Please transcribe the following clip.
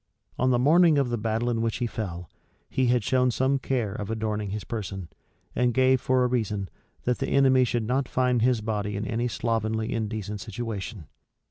On the morning of the battle in which he fell, he had shown some care of adorning his person; and gave for a reason, that the enemy should not find his body in any slovenly, indecent situation.